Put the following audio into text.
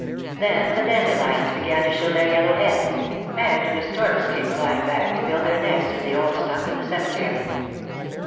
Then the dandelions began to show their yellow heads, and the storks came flying back to build their nests in the old stump in the cemetery.